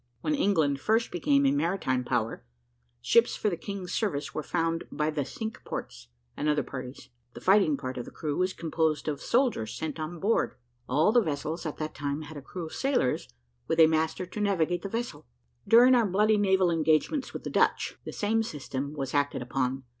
When England first became a maritime power, ships for the King's service were found by the Cinque Ports and other parties the fighting part of the crew was composed of soldiers sent on board. All the vessels at that time had a crew of sailors, with a master to navigate the vessel. During our bloody naval engagements with the Dutch, the same system was acted upon.